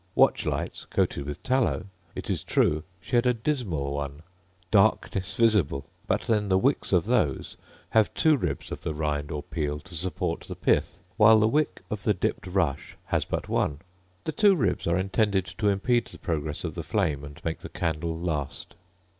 Watch lights (coated with tallow), it is true, shed a dismal one, 'darkness visible'; but then the wicks of those have two ribs of the rind, or peel, to support the pith, while the wick of the dipped rush has but one. The two ribs are intended to impede the progress of the flame, and make the candle last.